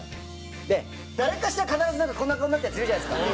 で誰かしら必ずこんな顔になってるヤツいるじゃないですか。